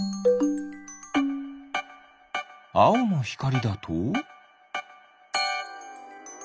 あおのひかりだと？